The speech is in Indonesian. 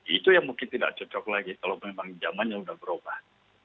itu yang mungkin tidak cocok lagi kalau memang zamannya sudah berubah